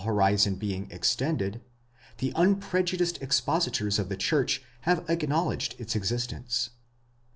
horizon being extended, the unprejudiced expositors of the church ® have acknowledged its existence.